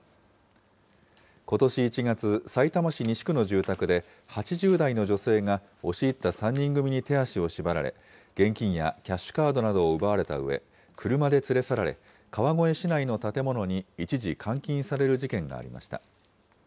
ことし１月、さいたま市西区の住宅で、８０代の女性が押し入った３人組に手足を縛られ、現金やキャッシュカードなどを奪われたうえ、車で連れ去られ、川越市内の建物に一時監禁される事件がありました。